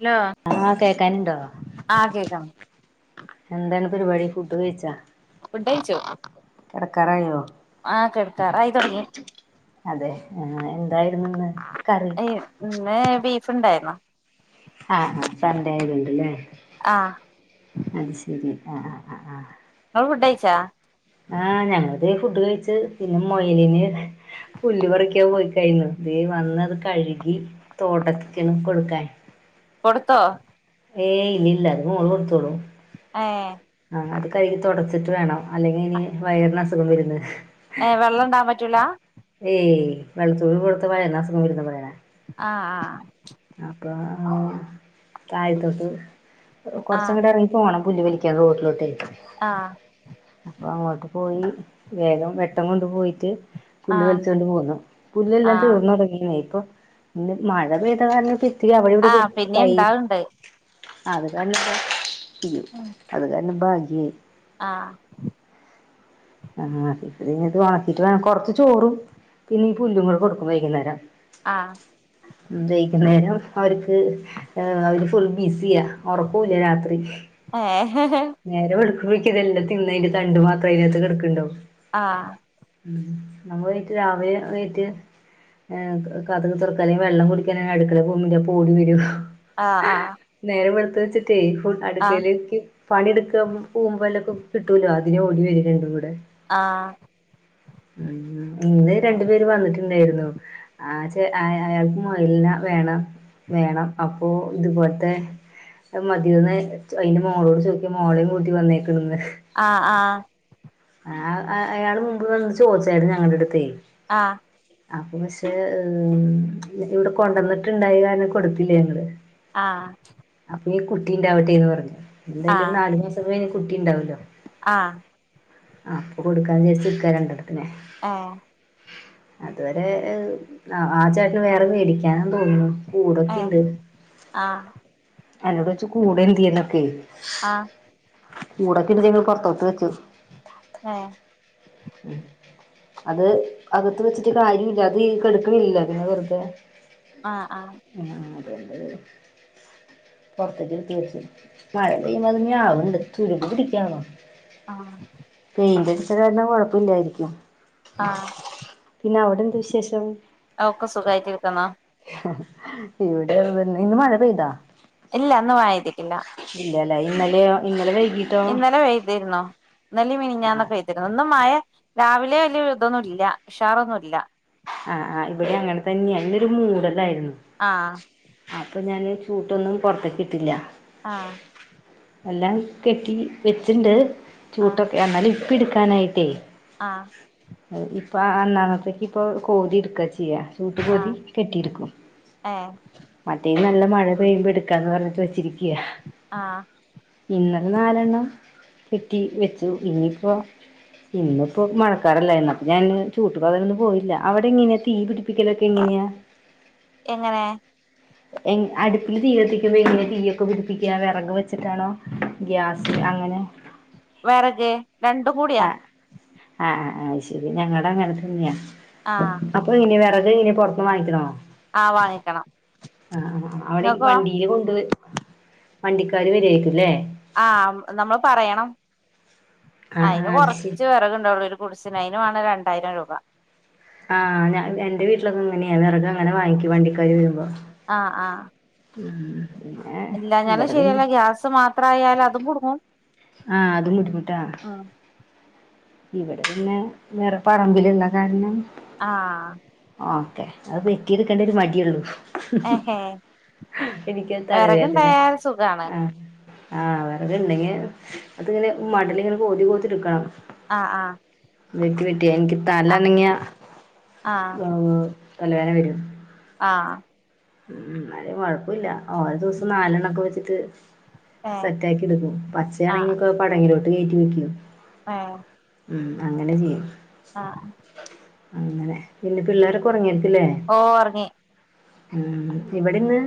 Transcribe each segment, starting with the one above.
Hello ആഹ് കേക്കാനുണ്ടോ ആഹ് കേക്കാം എന്താണ് പരിപാടി ഫുഡ് കഴിച്ചാ ഫുഡ് കഴിച്ചു കെടക്കാറായോ ആഹ് കിടക്കാറായി തുടങ്ങി അതെ ആഹ് എന്തായിരുന്നു ഇന്ന് കറി ഇന്ന് ബീഫ് ഉണ്ടായിരുന്നു ആഹ് ആഹ് സണ്ടെ ആയതോണ്ടല്ലേ ആഹ് അത് ശെരി ആഹ് ആഹ് ആഹ് ആഹ് ഇങ്ങള് ഫുഡ് കഴിച്ചാ ആഹ് ഞങ്ങളിത് ഫുഡ് കഴിച്ച് പിന്നെ മൊയിലിന് പുല്ല് പറിക്കാൻ പോയിക്കാരുന്നു വന്ന് അത് കഴുകി തോടക്കണ് കൊടുക്കാൻ കൊടുത്തോ ഏയ് ഇല്ല ഇല്ല അത്‌ മോള്‌ കൊടുത്തോളും ഏഹ് ആഹ് അത് കഴുകി തുടച്ചിട്ട് വേണം അല്ലെങ്കിൽ ഇനി വയറിന് അസുഖം വരുന്ന് ഏഹ് വെള്ളം ഉണ്ടാവാൻ പറ്റൂല ഏയ് വെള്ളത്തോള് കൊടുത്ത വയറിന് അസുഖം വരൂന്ന പറയണെ ആഹ് ആഹ് അപ്പൊ താഴത്തോട്ട് കൊറച്ച് ആഹ് അങ്ങട് ഇറങ്ങി പോണം പുല്ല് വലിക്കാ റോട്ടിലോട്ടെ ആഹ് അപ്പോ അങ്ങോട്ട് പോയി വേഗം വെട്ടം കൊണ്ട് പോയിട്ട് പുല്ല് ആഹ് വലിച്ചോണ്ട് പോന്നു പുല്ല് ആഹ് എല്ലാം ആഹ് തീർന്ന് തുടങ്ങീന്നേ ഇപ്പൊ മഴ പെയ്ത കാരണം ഇത്തിരി അവിടെ ഇവിടൊക്കെ ആഹ് പിന്നെ തൈ ഇണ്ടാവ്ണ്ട് അത് കാരണം ഇപ്പൊ ഇയ്യോ അത് കാരണം ഭാഗ്യായി ആഹ് ആഹ് വാർത്തിട്ട് വേണം കൊറച്ച് ചോറും പിന്നെ ഈ പുല്ലും കൂടെ കൊടുക്കും വൈകുന്നേരം ആഹ് വൈകുന്നേരം അവർക്ക് അവര് ഫുൾ ബിസിയ ഉറക്കൂല്ല രാത്രി ആഹ് ഹ് ഹ് നേരം വെളുക്കുമ്പോഴേക്കും ഇതെല്ലാം തിന്നതിന്റെ തണ്ടു മാത്രം അതിനകത്ത് കിടക്കുണ്ടാവും ആഹ് ഉം നമ്മ പോയിട്ട് രാവിലെ എണീറ്റ് ഏഹ് കതക് തുറക്കാല്ലേ വെള്ളം കുടിക്കാന അടുക്കള പോവുമ്പം ഓടി വരും ആഹ് ആഹ് നേരം വെളുത്തുവെച്ചിട്ടെ ഫുൾ അടുക്കളയിലേക്ക് പണിയെടുക്കാ പൂമ്പോല്ലൊക്കെ കിട്ടൂലോ അതിനെ ഓടി വരും എന്റെ കൂടെ ആഹ് ഉം ഇന്ന് രണ്ടു പേര് വന്നിട്ടുണ്ടായിരുന്നു ആഹ് ച അയാൾക്ക് മൊയലിനെ വേണം വേണം അപ്പോ ഇതുപോലത്തെ ഇത് മതിയോന്ന് അയിൻറ്റെ മോളോട് ചോദിച്ച് മോളേം കൂട്ടി വന്നേക്കണിന്ന് ആ ആ ആ അയാള് മുമ്പ് വന്നു ചോയിച്ചായിരുന്നു ഞങ്ങടെ അടുത്തേ ആ അപ്പൊ പക്ഷേ ഇവിടെ കൊണ്ടന്നിട്ടുണ്ടായി കാരണം കൊടുത്തില്ല ഞങ്ങള് ആ അപ്പൊ ഈ കുട്ടിയുണ്ടാവട്ടെ എന്നുപറഞ്ഞു ആഹ് എന്തായാലൊരു നാലുമാസം കഴിഞ്ഞാ കുട്ടി യുണ്ടാവുല്ലോ ആ അപ്പൊ കൊടുക്കാന്നു വിജാരിച്ചിക്കാ രണ്ടെണ്ണത്തിനെ ആ അതുവരെ ആ ചേട്ടന് വേറെ മേടിക്കാനെന്നു തോന്നുന്നു. ഏഹ് കൂടൊക്കെണ്ട് ആഹ് എന്നോട് ചോയ്ച്ചു കൂട് എന്ത്യേന്നൊക്കെ ആ കൂടൊക്കെടുത്തിപ്പോ പൊറത്തോട്ടു വെച്ചു. ഏ [inaudible] അത് അകത്തുവെച്ചിട്ട് കാര്യല്ലാ അതീകെടക്കണില്ല പിന്നെ വെറുതെ ആ ആ ആ അതെ അതെ പുറത്തേക്ക്‌ട് [inaudible] മഴ പെയ്യമ്പത് ഞാവണ്ട്തുരുമ്പ്പിടിക്കാവോ ആ പെയിന്റടിച്ച കാരണം കൊഴപ്പില്ലായിരിക്കും. ആഹ് പിന്നെ അവിടെന്തു വിശേഷം ഒക്കെ സുഖായിട്ടിരിക്കുന്നോ ഇവിടെ പിന്നെ ഇന്ന് മഴ പെയ്താ ഇല്ല ഇന്നു മഴപെയ്തിട്ടില്ല. ഇല്ലാലേ ഇന്നലെയോ ഇന്നലെ വൈകി ഇന്നലെ പെയ്തിരുന്നു ഇന്നലേം ആ മിനിഞ്ഞാന്നും പെയ് തിരുന്നു ഇന്നും മയേ രാവിലെ വല്യ ഇതൊന്നും ഇല്ല ഉഷാറൊന്നുല്ലാ ആ ആ ഇവിടേം അങ്ങനെതന്നെയാ ഇന്നൊരു മൂടലായിരുന്നു. ആ അപ്പൊ ഞാനി ചൂട്ടൊന്നും പൊറത്തേക്കിട്ടില്ലാ. ആ എല്ലാം കെട്ടി വെച്ചിണ്ട് ചൂട്ടൊക്കെ എന്നാലും ഇപ് ഇപ്പെടുക്കാനായിട്ടെ ആ ഇപ്പൊ ആ നാളത്തേക്കിപ്പൊ കോതിയെടുക്കാ ചെയ്യാ. ചൂട്ടുപൊതി ആഹ് കെട്ടിയെടുക്കും. ഏഹ് മറ്റേല് നല്ല മഴപെയ്യുമ്പോ എടുക്കാന്നു പറഞ്ഞിട്ട് വെച്ചിരിക്കയാ ആ ഇന്നലെ നാലെണ്ണം കെട്ടി വെച്ചു ഇന്നിപ്പോ ഇന്നിപ്പോ മഴക്കാറല്ലായിരുന്നോ അപ്പം ഞാനിന്നു ചൂട്ടുകോതാനൊന്നു പോയി ല്ല അവടെ എങ്ങനെയാ തീ പിടിപ്പിക്കലൊക്കെ എങ്ങനെയാ എങ്ങനെ എങ്ങ് അടുപ്പില് തീ കത്തിക്കുമ്പോ എങ്ങനെയാ തീയൊക്കെ പിടിപ്പിക്കാ വെറക് വെച്ചിട്ടാണോ ഗ്യാസ് അങ്ങനെ വെറക് രണ്ടും കൂടിയാ. ആ ആ ആ അയ്ശെരി ഞങ്ങടങ്ങനെ തന്നെയാ ആഹ് അപ്പൊ എങ്ങിനെയാ വെറക് എങ്ങിനെയാ പൊറത്തുന്ന് വാങ്ങിക്കണോ ആഹ് വാങ്ങിക്കണം ആ ആ ആ ആ അവടേം ഇങ്ങക്കോ വണ്ടിയില് കൊണ്ടുവെച്ച് വണ്ടിക്കാര് വരുവാരിക്കും ല്ലേ ആ നമ്മള് പറയണം ആ ആ അയില് അത് ശരി കൊറച്ച് വെറക് ഉണ്ടാവുള്ളൂ ഒരു ഗുഡ്സിന് അയിന് വാണം രണ്ടായിരം രൂപ. ആഹ് ഞ എന്റെ വീട്ടിലൊക്കെ ഇങ്ങനെയാ വെറക് അങ്ങനെ വാങ്ങിക്കും വണ്ടിക്കാർ വരുമ്പോ ആഹ് ആഹ് പിന്നെ ഇല്ലാഞാലും ഇവിടെ പിന്നെ ശരിയല്ല ഗ്യാസ് മാത്രായാലും അതും കുടുങ്ങും. ആഹ് അതും കുടുങ്ങും ട്ടാ ഉം ഇവിടെ പിന്നെ വേറെ പറമ്പിലുള്ള കാരണം. ആഹ് ഓക്കെ അത് വെട്ടിയെടുക്കേണ്ട ഒരു മടിയുള്ളൂ ഏഹേ എനിക്ക് തലവേദന വെറകുണ്ടായാൽ സുഖാണ് ആഹ്. ആ വെറക്ണ്ടെങ്കി അത്ങ്ങനെ മടല്ങ്ങനെ കോതി കോത്തി ഇട്ക്കണം. അ ആഹ് വെക്കി പെറ്റി ഇൻക്ക് ആഹ് തലനങ്ങിയ ആഹ് ഹ് തലവേന വരും ആഹ് ഉം എന്നാലു കൊഴപ്പുല്ല ഓരോ ദിവസം നാലെണ്ണക്കെ വെച്ചിട്ട് ആഹ് ഏഹ് സെറ്റാക്കിട്ക്കും പച്ചയാണെങ്കി ഒക്കെ പടങ്ങിലോട്ട് കേറ്റി വെക്കും ആഹ് ഉം അങ്ങനെ ചെയ്യും. ആഹ് അങ്ങനെ പിന്നെ പിള്ളേരൊക്കെ ഒർങ്ങിയത്തില്ലേ? ഓ ഒറങ്ങി. ഉം ഇവിടെ ഇന്ന്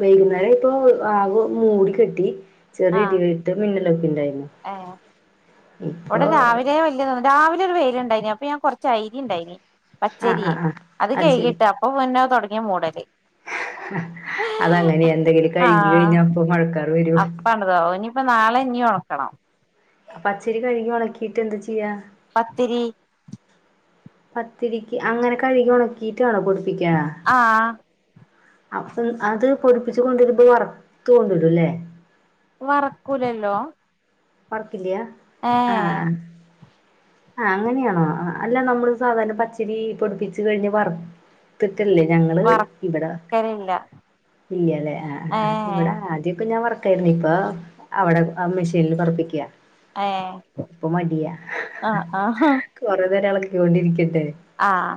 വൈകുന്നേരം ആയപ്പൊ ആവ് മൂടി കെട്ടി ചെറിയ ഇടിവെട്ടു മിന്നലൊക്കെണ്ടായിരുന്നു. ആഹ് ഇവിടെ രാവിലെ വല്യ തൊന്നും രാവിലെ ഒരു വൈൽണ്ടേനി അപ്പൊ ഞാൻ കൊർച്ച് ഐരി ഇണ്ടയ്നി ആഹ് പച്ചരിയെ ആഹ് ആഹ് അത് ശരി കൈകിട്ട് അപ്പൊ പിന്നെ തൊടങ്ങിയ മൂടല് അതങ്ങനെയാ എന്തെങ്കിലും കഴുകി കഴിഞ്ഞാ അപ്പ മഴക്കാർ വരു അതോഹ് ഇനിയിപ്പോ നാളെ ഇനി ഒണക്കണം പച്ചരി കഴുകി ഒണക്കിട്ട് എന്താ ചെയ്യാ? പത്തിരി പത്തിരിക്ക് അങ്ങനെ കഴുകി ഒണക്കിട്ട് വേണോ പൊടിപ്പിക്കാ ആഹ് അപ്പം അത് പൊടിപ്പിച്ച് കൊണ്ടുവരുമ്പോ വർത്ത് കൊണ്ടുവരുല്ലേ? വറക്കൂലല്ലോ വർക്കില്ല്യ ആഹാ ഏഹ് ആ ആ അങ്ങനെയാണോ ഹ് അല്ല നമ്മള് സാധാരണ പച്ചരി പൊടിപ്പിച്ച് കഴിഞ്ഞ് വർ ത്ത്ക്കല്ലേ ഞങ്ങള് ഇവിടെ വർക്കലില്ല ഇല്ല്യലെ ആ ഇവിടെ ആദ്യൊക്കെ ഞാൻ വർ ക്കേനി ഇപ്പൊ അവിടെ ആ മെഷീനിൽ വറപ്പിക്ക ഏഹ് ഇപ്പൊ മടിയാ ആഹ് ആഹ് കൊറേ നേരാം എളക്കൊണ്ടിരിക്കണ്ടെ ആഹ്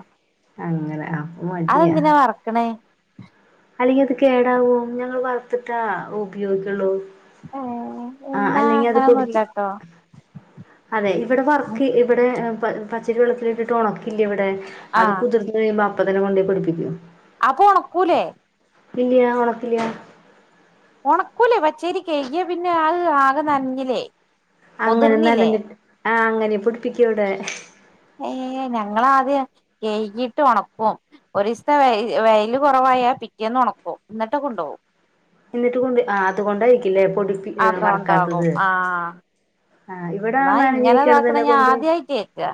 അങ്ങനെ ആ മടിയാ അതെന്തിനാ വറക്കണേ അല്ലെങ്കി അത് കേടാവും ഞങ്ങള് വറുത്തിട്ടാ ഉപയോഗിക്കുള്ളൂ ഏഹ് ആഹ് ഇന്നാ അല്ലെങ്കിൽ അത് പൊടിച്ച് അങ്ങനെയൊന്നുംല്ല ട്ടോ അതെ ഇവ്ടെ വർക്ക് ഇവിടെ പ പച്ചരി വെള്ളത്തിലിട്ടിട്ട് ഒണക്കില്ല ഇവിടെ അത് ആഹ് കുതിർന്ന് വരുമ്പോ അപ്പത്തന്നെ കൊണ്ടോയി പൊടിപ്പിക്കും അപ്പൊ ഒണക്കൂലേ? ഇല്ല്യ ഓണക്കില്ല്യ ഒണക്കൂല്ലേ പച്ചേരി കഴുകിയ പിന്നെ അത് ആകെ നനഞ്ഞില്ലേ? അങ്ങനെ പൊതിർന്നില്ലേ നനഞ്ഞിട്ട് ആ അങ്ങനെ പൊടിപ്പിക്കുവ്ടെ. ഏയ് ഞങ്ങളാദ്യം കൈകീട്ട് ഒണക്കും. ഒരിസ്ത്തെ വെ വെയ്ല് കൊറവായ പിറ്റേന്ന് ഒണക്കും. ഇന്നട്ട് കൊണ്ടോകും. എന്നിട്ട് കൊണ്ട് ആ അതുകൊണ്ടായിരിക്കില്ലേ പൊടിപ്പി ആഹ് അതോണ്ടാകും വർക്കാത്തത്. ആഹ് ആഹ് ഇവിടെ ആ എന്നാ ഇങ്ങനെ ഇതാക്കണ നനഞ്ഞിരിക്ക്ണതന്നെ ഞാൻ കൊണ്ടോയി. ആദ്യായിട്ട് കേക്കാ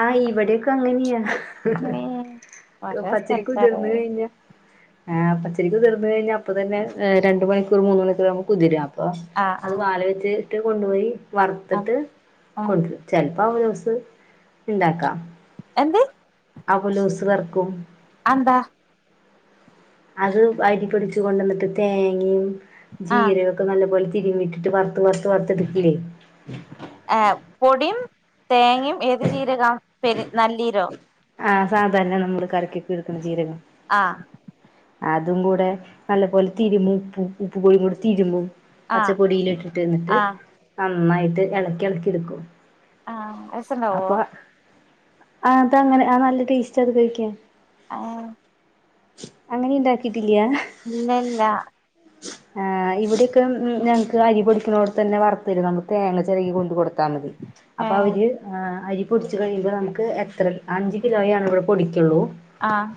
ആഹ് ഇവിടൊക്കെ അങ്ങന്യ. ഏഹ് ഓരോ പച്ചരി സ്ഥലത്താരോ കുതിർന്ന കഴിഞ്ഞ ആഹ് പച്ചരി കുതിർന്ന കഴിഞ്ഞ ഇപ്പ തന്നെ രണ്ട് മണിക്കൂർ മൂന്ന് മണിക്കൂർ നക്ക് കുതിര അപ്പൊ ആഹ് അത് ആഹ് വാല വെച്ചി ജട്ട് കൊണ്ടുപോയി ആഹ് വറ്ത്തിട്ട് ആഹ് കൊട്ക് ചെല്പ്പാ ജ്യുസ് ഇണ്ടാക്കാ എന്ത് അവലൂസ് വർക്കും അഎന്താ അത് അരിപൊടിച്ച് കൊണ്ടന്നിട്ട് തേങ്ങെം ആഹ് ജീരകു നല്ല പോലെ തിരി ഇട്ടിട്ട് വറുത്ത് വറത്ത് വറത്തെടുക്കിലെ ഏ പൊടിം തേങ്ങെം ഏത് ചീര കാ പെ നല്ലീരോ ആഹ് സാധാരണ നമ്മള് കറിക്കൊക്കെ ഇടുക്കുന്ന ജീരകം ആഹ് അതും കൂടെ നല്ലപോലെ തിരുമ്പും. ഉപ്പ് ഉപ്പ് കോഴിയും കൂടി തിരുമ്പും ആഹ് പച്ചപ്പൊടിയിലിട്ടിട്ട് ഇന്ന്ട്ട് ആഹ് നന്നായിട്ട് എളക്കി എളക്കി ഇടുക്കും. ആഹ് രസണ്ടാവൊ ആത് അങ്ങനെ ആ നല്ല ടേസ്റ്റ് അത് കഴിക്കൻ ആഹ് അങ്ങെനീണ്ടാക്കിട്ടില്ല ഇല്ലല്ല ആഹ് ഇവിടെയൊക്കെ ഉം ഞങ്ങക്ക് അരി പൊടിക്ക്ണോട് തന്നെ വറുത്തരും നമ്മു തേങ്ങ ചെരകി കൊണ്ട് കൊടുത്താ മതി. അപ്പ ഏഹ് അവര് ആഹ് അരി പൊടിച്ച് കഴിയുമ്പോ നമക്ക് എത്ര അഞ്ച് കിലോ ആണ് ഇവിടെ പൊടിക്കൊള്ളൂ ആഹ്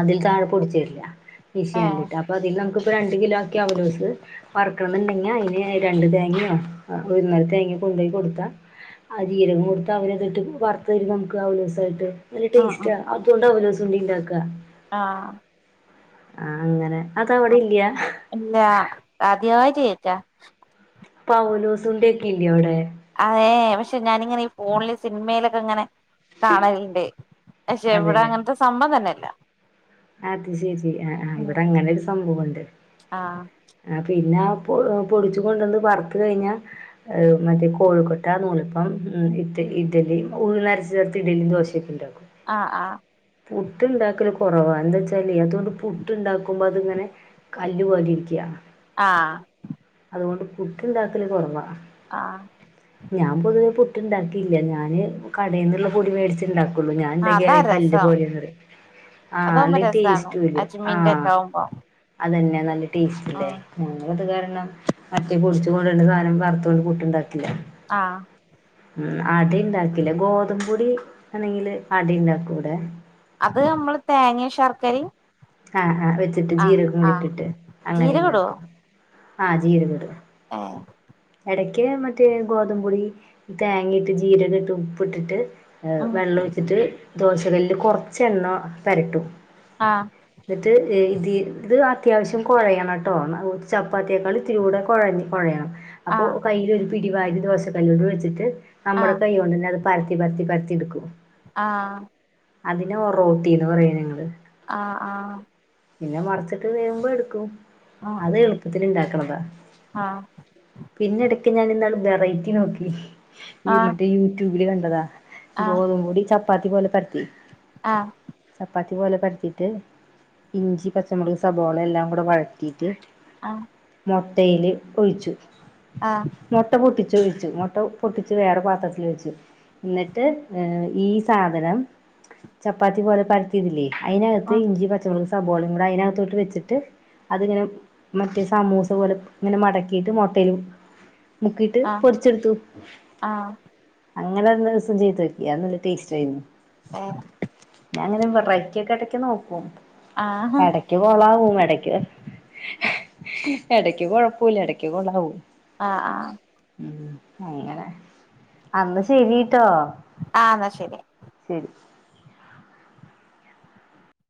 അതിൽ താഴെ പൊടിച്ചര് ഇല്ല. ഏഹ് മീശിയണ്ടിട്ട് അപ്പൊ അതിൽ നമുക്ക്പ്പ രണ്ട് കിലോ ആക്കി അവലോസ് വറക്കണംന്ന്ണ്ടെങ്കി അയ്ന് രണ്ട് തേങ്ങ്യൊ ഒന്നര തേങ്യൊ കൊണ്ടയി കൊടുത്താ ആഹ് ജീരകം കൊടുത്ത് അവര് ഇട്ട് വറത്ത് തരും നമുക്ക് അവലോസായിട്ട് നല്ല ഉം ഉം ടേസ്റ്റാ അതോണ്ടാ അവല്ലോ സുണ്ടിണ്ടാക്ക ആഹ് ആഹ് അങ്ങനെ അതവിടെ ആഹ് ഇല്യാ ഇല്ല ആദ്യായിട്ട് കേക്ക പൗലോസ് ഉണ്ടേക്കെ ഇല്ല ഇവടെ അതെ ഏ എ പക്ഷെ ഞാനിങ്ങനെ ഈ ഫോണില് സിൻമേലൊക്കെ ഇങ്ങനെ കാണല്ണ്ട്. പക്ഷെ ഇവടെ അതെല്ലേ അങ്ങൻത്തെ സംഭം തന്നെ ഇല്ല അത് ശെരി അഹ് ആഹ് ഇവടെ അങ്ങനൊരു സംഭവുണ്ട് ആഹ് ആഹ് പിന്നെ ആ പൊ പൊടിച്ചു കൊണ്ടന്ന് വറത്ത് കഴിഞ്ഞാ മറ്റേ കോഴിക്കോട്ട നൂളപ്പം ഉം ഇ ഇഡലി ഉഴ്ന്നരച്ചേർത്ത് ഇഡലിം ദോശ ജപ്പൻണ്ടാക്കൂ ആഹ് ആഹ് പുട്ട് ഉണ്ടാക്കില് കൊറവാണ്. എന്താച്ചലെ അതോണ്ട് പുട്ട് ഇണ്ടാക്കുമ്പോ അത്ങ്ങനെ കല്ല് വലിക്ക്യ ആഹ് അതുകൊണ്ട് പുട്ടുണ്ടാക്കല് കൊറവാ ആഹ് ഞാൻ പൊതുവെ പുട്ട്ണ്ടാക്കിയില്ല. ഞാന് കടയെന്നുള്ള പൊടി മേടിച്ചിണ്ടാക്ക് ഒള്ളു. ഞാൻ ഇണ്ടെങ്കി അതാ ഐ കല്ല് രസം പോലെന്നറിം ആഹ് അതാവുമ്പോ നല്ല രസാണ് ടേസ്റ്റ്ല്ല അജ്മീന്റെ ആഹ് ഒക്കെ ആവുമ്പോ അതന്നെ നല്ല ടേസ്റ്റ്ല്ലേ ഉം ഞങ്ങ അത് കാരണം അട്ടിയ പൊടിച്ച കൊണ്ടണ്ട് സാധനം വറുത്ത കൊണ്ട് കൂട്ടുണ്ടാക്കില്ല ആഹ് ഉം അടി ഉണ്ടാക്കില്ലേ ഗോതമ്പപൊടി അണെങ്കില് ആടി ഉണ്ടാക്കൂടെ അത് നമ്മള് തേങ്ങ ശർക്കരയും ആഹ് ആഹ് വെച്ചിട്ട് ആഹ് ജീരകം ആഹ് എടുത്തിട്ടെ അങ്ങനെ ജീരകം ഇടുവോ ഇണ്ടാക്കും ആഹ് ജീരകമിടും ഏഹ് ഇടയ്ക്കെ മറ്റേ ഗോതമ്പപൊടി തേങ്ങ ഇട്ട് ജീരകം ഇട്ട് ഉപ്പിട്ടിട്ട് ഏഹ് ഉം വെള്ളം ഒഴിച്ചിട്ടെ ദോശ കല്ലിലു കൊറച്ചെണ്ണ പെരട്ടും ആഹ് എന്നിട്ട് ഇതി ഇത് അത്യാവശ്യം കൊഴയണം ട്ടോ ചപ്പാത്തിയേക്കാളി ത്തിരൂടെ കുഴഞ്ഞ കുഴയണം അപ്പൊ ആഹ് കയ്ലൊ ഒരു പിടിവ് ദോശ കല്ലോണ്ട് വെച്ചിട്ട് നമ്മുടെ ആഹ് കൈ കൊണ്ടന്നെ അത് പരത്തി പരത്തി പരത്തി എടുക്കും ആഹ് അതിനെ ഒറോട്ടിന്ന് പറയും ഞങ്ങളെ ആഹ് ആഹ് പിന്നെ മറച്ചിട്ട് വേവുമ്പം എടുക്കും ആഹ് അത് എളുപ്പത്തിൽ ഇണ്ടാക്കണതാ ആഹ് പിന്നെടയ്ക്കെ ഞാനിന്നാളെ വെറൈറ്റി നോക്കി ഈ മറ്റേ യൂട്യൂബില് കണ്ടതാ ആഹ് ഗോതുമ്പു പൊടി ചപ്പാത്തി പോലെ പരത്തി ആഹ് ചപ്പാത്തി പോലെ പരത്തീട്ട് ഇഞ്ചി പച്ചമുളക് സബോള എല്ലാം കൂടെ വഴറ്റീട്ട് ആഹ് മൊട്ടയിലെ ഒഴിച്ചു ആഹ് മുട്ട പൊട്ടിച്ചൊഴിച്ചു മുട്ട പൊട്ടിച്ച് വേറെ പാത്രത്തിൽ വെച്ചു എന്നിട്ട് ഏഹ് ഈ സാധനം ചപ്പാത്തി പോലെ പരത്തിയതില്ലേ അതിനകത്ത് ആഹ് ഇഞ്ചി പച് ഒരു സബോളേം കൂടെ അതിനകത്തോട്ടെ വച്ചിട്ട് അതിങ്ങനെ മറ്റേ സമൂസ പോലെ ഇങ്ങനെ മടക്കീട്ട് മുട്ടയിലെ മുക്കീട്ട് ആഹ് പൊരിച്ചെടുത്തു ആഹ് ആഹ് അങ്ങനൊരു ദിവസം ചെയ്തോക്കി അത് നല്ല ടേസ്റ്റായിരുന്നു ആഹ് ഞാനങ്ങനെ വെറൈറ്റിയൊക്ക എടക്ക് നോക്കും ആഹാ എടയ്ക്കൊളാവും എടക്ക് എടയ്ക്ക് കൊഴപ്പൂല എടക്ക് കൊളാവും ആഹ് ആഹ് ഉം അങ്ങനെ അന്നാ ശരീട്ടോ ആഹ് എന്നാ ശരി ശരി